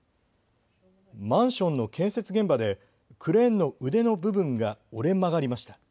マンションの建設現場でクレーンの腕の部分が折れ曲がりました。